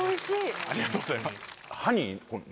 ありがとうございます。